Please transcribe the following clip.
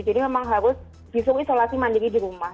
jadi memang harus disuruh isolasi mandiri di rumah